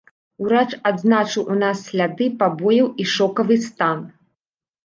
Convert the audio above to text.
Урач адзначыў ў нас сляды пабояў і шокавы стан.